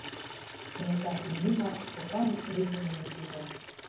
Кенета Иллимар кокан рӱзымыжым шиже: